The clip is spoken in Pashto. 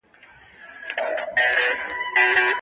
ایا واړه پلورونکي وچ زردالو ساتي؟